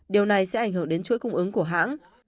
điều này sẽ ảnh hưởng đến chuỗi cung ứng của hãng